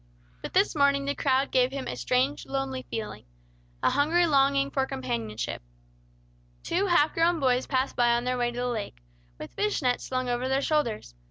But this morning the crowd gave him a strange, lonely feeling, a hungry longing for companionship. Two half grown boys passed by on their way to the lake, with fish nets slung over their shoulders.